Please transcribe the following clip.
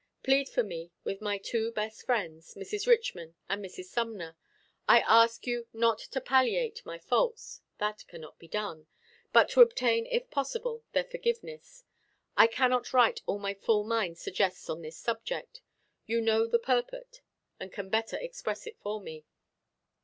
Plead for me with my two best friends, Mrs. Richman and Mrs. Sumner. I ask you not to palliate my faults, that cannot be done, but to obtain, if possible, their forgiveness. I cannot write all my full mind suggests on this subject. You know the purport, and can better express it for me.